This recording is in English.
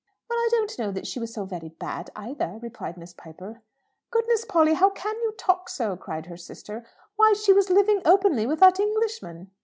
"Well, I don't know that she was so very bad either," replied Miss Piper. "Goodness, Polly! How can you talk so!" cried her sister. "Why, she was living openly with that Englishman!"